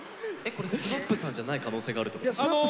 これＳＭＡＰさんじゃない可能性があるってこと？